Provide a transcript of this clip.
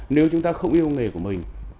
nếu chúng ta không yêu nghề của mình